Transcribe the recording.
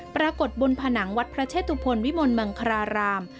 ปรากฏบนผนังวัดพระเชตุพลวิมลมังคราราม